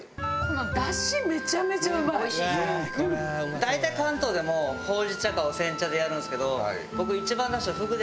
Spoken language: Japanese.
大体関東でもほうじ茶かお煎茶でやるんですけど僕一番出汁とフグで